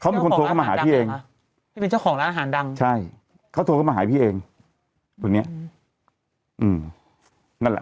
เขาเป็นคนโทรเข้ามาหาพี่เองใช่เขาโทรเข้ามาหาพี่เองตรงเนี้ยอืมนั่นแหละ